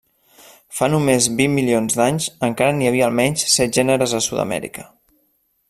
Fa només vint milions d'anys encara n'hi havia almenys set gèneres a Sud-amèrica.